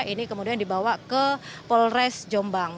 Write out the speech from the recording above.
ini kemudian dibawa ke polres jombang